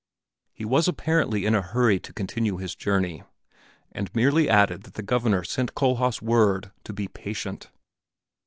He was apparently in a hurry to continue his journey, and merely added that the Governor sent Kohhlhaas word to be patient.